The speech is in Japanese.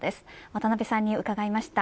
渡辺さんに伺いました。